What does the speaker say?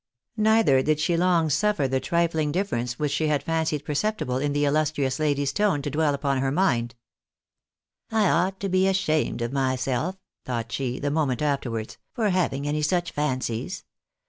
Neither did she long suffer the trifling difference which she had fancied perceptible in the illustrious lady's tone to dwell upon her mind. " I ought to be ashamed of myself," thought she, the moment afterwards, " for having any such fancies.